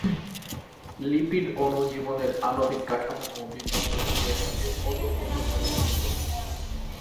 Lipid অণু জীবনের আণবিক কাঠামো ও বিপাক প্রক্রিয়ার সাথে ওতপ্রোতভাবে জড়িত।